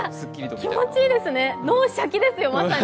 気持ちいいですね、脳シャキですよ、まさに。